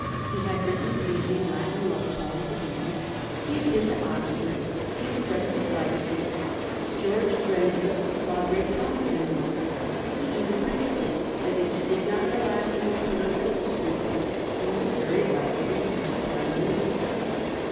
He had written pleasing Latin love poems at Eton, he had been to Oxford, he had studied at Leipzig. George Grenville saw great promise in North. He even predicted that if he did not relax in his political pursuits he was very likely to become Prime Minister.